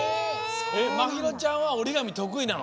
まひろちゃんはおりがみとくいなの？